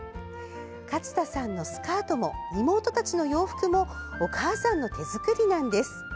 勝田さんのスカートも妹たちの洋服もお母さんの手作りなんです。